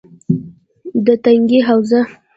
- د تنگي حوزه: